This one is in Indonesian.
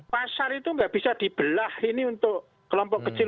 pasar itu nggak bisa dibelah ini untuk kelompok kecil